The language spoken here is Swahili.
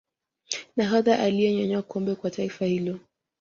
nahodha aliyenyanyua kombe Kwa taifa hilo